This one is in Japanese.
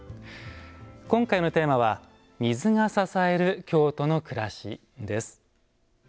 今回のテーマは「水が支える京都の暮らし」です。